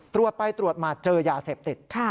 ตรวจไปตรวจมาเจอยาเสพติด